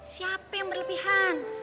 siapa yang berlebihan